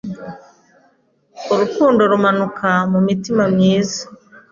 Urukundo rumanuka mumitima myiza